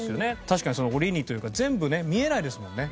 確かに檻にというか全部見えないですもんね